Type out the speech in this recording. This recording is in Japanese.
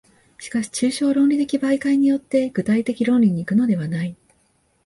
しかし抽象論理的媒介によって具体的論理に行くのではない。